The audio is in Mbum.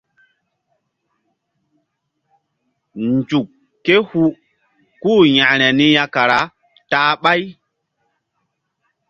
Nzuk ké hu kú-u yȩkre niya kara ta-a ɓáy.